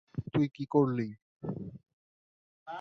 তুই কী করলি?